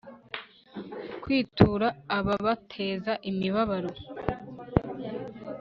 kwitura ababateza imibabaro